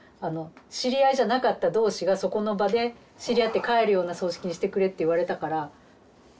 知り合いじゃなかった同士がそこの場で知り合って帰るような葬式にしてくれって言われたからなんかそれに徹してた感じです。